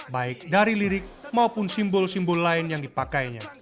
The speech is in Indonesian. baik dari lirik maupun simbol simbol lain yang dipakainya